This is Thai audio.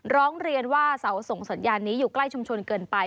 ร้องเรียนว่าเสาส่งสัญญาณนี้อยู่ใกล้ชุมชนเกินไป